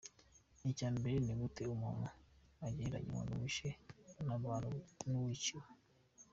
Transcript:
Icya mbere ni gute umuntu agereranya umuntu wishe abantu n’uwiciwe.